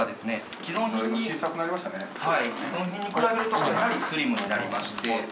既存品に比べるとかなりスリムになりまして。